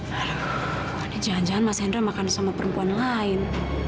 ada jangan jangan mas hendra makan sama perempuan lain